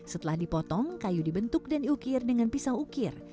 setelah dipotong kayu dibentuk dan diukir dengan pisau ukir